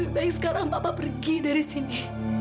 lebih baik sekarang papa pergi dari sini